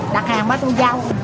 đặt hàng bà tôi giao